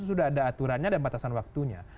sudah ada aturannya dan batasan waktunya